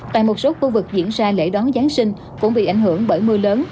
tại một số khu vực diễn ra lễ đón giáng sinh cũng bị ảnh hưởng bởi mưa lớn